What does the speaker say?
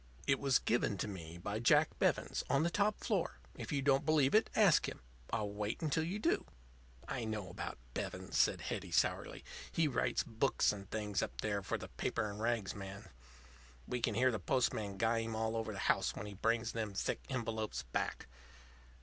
It was given to me by Jack Bevens, on the top floor. If you don't believe it, ask him. I'll wait until you do." "I know about Bevens," said Hetty, sourly. "He writes books and things up there for the paper and rags man. We can hear the postman guy him all over the house when he brings them thick envelopes back.